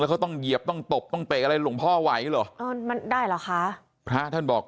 เขาต้องเหยียบต้องตบต้องเตะอะไรหลวงพ่อไหวเหรอเออมันได้เหรอคะพระท่านบอก